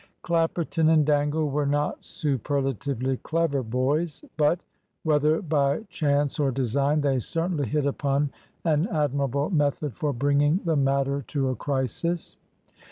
Clapperton and Dangle were not superlatively clever boys; but, whether by chance or design, they certainly hit upon an admirable method for bringing the matter to a crisis.